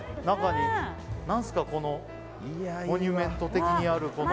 何ですかこのモニュメント的にある。